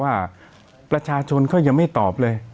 ว่าประชาชนก็ยังไม่ตอบเลย